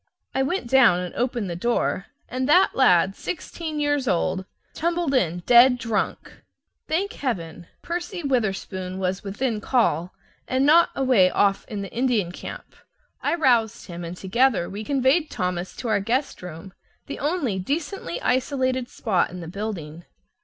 I went down and opened the door, and that lad, sixteen years old, tumbled in, dead drunk. Thank Heaven! Percy Witherspoon was within call, and not away off in the Indian camp. I roused him, and together we conveyed Thomas to our guest room, the only decently isolated spot in the building.